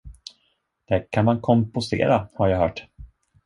Det kan man kompostera, har jag hört.